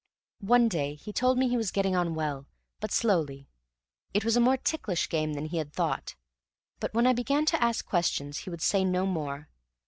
One day he told me he was getting on well, but slowly; it was a more ticklish game than he had thought; but when I began to ask questions he would say no more.